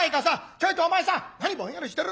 ちょいとお前さん何ぼんやりしてるんだい。